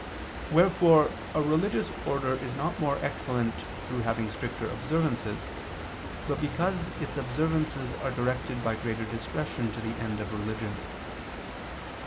Wherefore a religious order is not more excellent through having stricter observances, but because its observances are directed by greater discretion to the end of religion.